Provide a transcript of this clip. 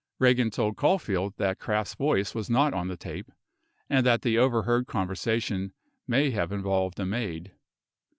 26 Eagan told Caulfield that Kraft's voice was not on the tape and that the overheard conversation may have involved a maid.